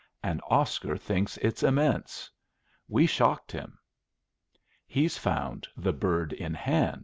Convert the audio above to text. And Oscar thinks it's immense. We shocked him." "He's found the Bird in Hand!"